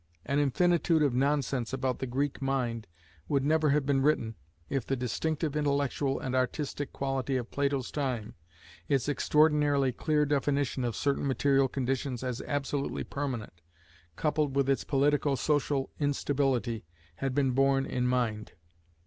] An infinitude of nonsense about the Greek mind would never have been written if the distinctive intellectual and artistic quality of Plato's time, its extraordinarily clear definition of certain material conditions as absolutely permanent, coupled with its politico social instability, had been borne in mind.